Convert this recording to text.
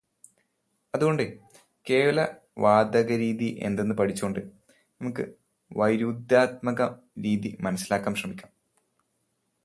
അതുകൊണ്ട് കേവലവാദരീതി എന്തെന്ന് പഠിച്ചുകൊണ്ട് നമുക്ക് വൈരുധ്യാത്മക രീതി മനസിലാക്കാൻ ശ്രമിക്കാം.